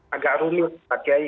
agak rumit pak kiai